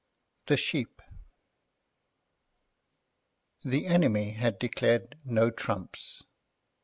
THE SHEEP The enemy had declared "no trumps."